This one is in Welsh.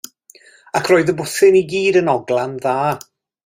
Ac roedd y bwthyn i gyd yn ogla'n dda.